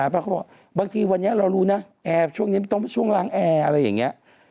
อะไรอย่างนี้